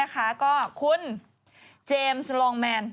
ก็คุณเจมส์สลองแมน